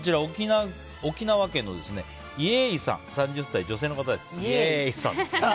沖縄県の３０歳、女性の方です。